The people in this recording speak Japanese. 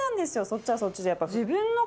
そっちはそっちで。